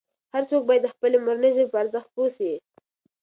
هر څوک باید د خپلې مورنۍ ژبې په ارزښت پوه سي.